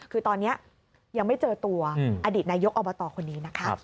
คือตอนนี้ยังไม่เจอตัวอดีตนายกอบตคนนี้นะคะ